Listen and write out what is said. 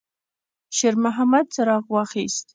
شېرمحمد څراغ واخیست.